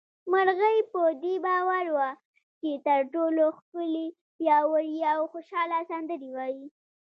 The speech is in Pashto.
مرغۍ په دې باور وه چې تر ټولو ښکلې، پياوړې او خوشحاله سندرې وايي